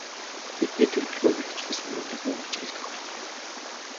Бидний төлөвлөгөө хэрэгжихээс өмнө нэгэн учрал тохиолдов.